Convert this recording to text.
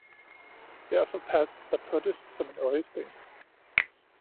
Derfor passes der på det som en øjesten.